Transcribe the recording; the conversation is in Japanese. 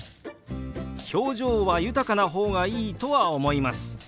表情は豊かな方がいいとは思います。